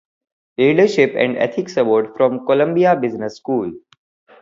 Leadership and Ethics Award from Columbia Business School.